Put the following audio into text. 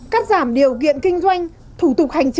cắt giảm điều kiện kinh doanh